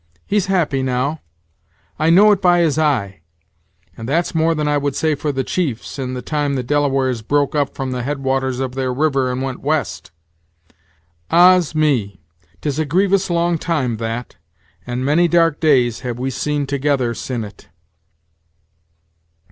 He's happy now; I know it by his eye; and that's more than I would say for the chief, sin' the time the Delawares broke up from the head waters of their river and went west. Ah's me! 'tis a grevious long time that, and many dark days have we seen together sin' it."